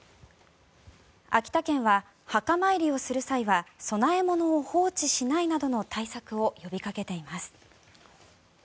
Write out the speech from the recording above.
秋田県は墓参りをする際は供え物を放置しないなどの対策を呼びかけています。